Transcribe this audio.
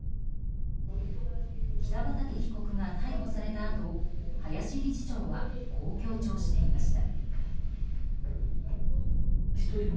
北畠被告が逮捕されたあと林理事長はこう強調していました。